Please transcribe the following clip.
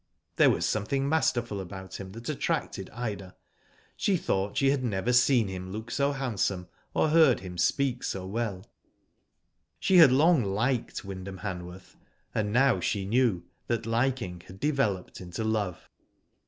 There was something masterful about him that attracted Ida. She thought she had never seen U d by Google Digitized t 290 WHO DID IT? him look so handsome or heard him speak so well. She had long liked Wyndham Hanworth, and now she knew that liking had developed into love.